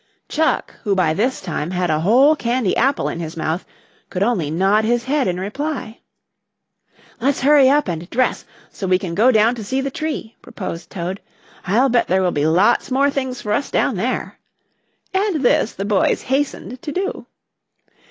Chuck, who by this time had a whole candy apple in his mouth, could only nod his head in reply. "Let's hurry up and dress so we can go down to see the tree," proposed Toad. "I'll bet there will be lots more things for us down there," and this the boys hastened to do.